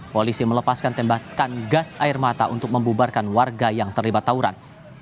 polisi melepaskan tembakan gas air mata untuk membubarkan warga yang terlibat tawuran